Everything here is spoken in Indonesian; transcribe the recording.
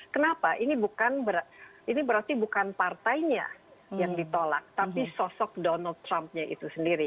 kenapa ini berarti bukan partainya yang ditolak tapi sosok donald trumpnya itu sendiri